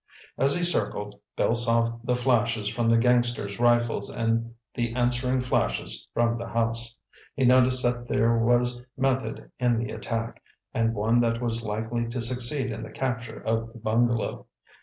As he circled, Bill saw the flashes from the gangster's rifles and the answering flashes from the house. He noticed that there was method in the attack, and one that was likely to succeed in the capture of the bungalow.